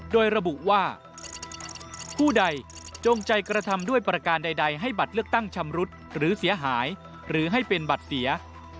โดยระบุว่าผู้ใดจงใจกระทำด้วยประการใดให้บัตรเลือกตั้งชำรุดหรือเสียหายหรือให้เป็นบัตรเสีย